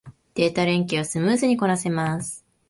データ連携はスムーズにこなせます